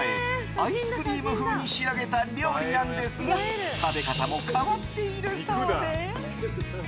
アイスクリーム風に仕上げた料理なんですが食べ方も変わっているそうで。